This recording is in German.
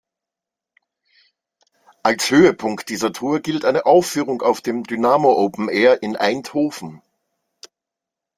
Als Höhepunkt dieser Tour gilt eine Aufführung auf dem Dynamo Open Air in Eindhoven.